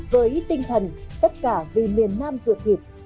với tinh thần tất cả vì miền nam ruột thịt